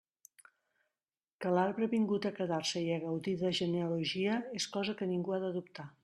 Que l'arbre ha vingut a quedar-se i a gaudir de genealogia és cosa que ningú ha de dubtar.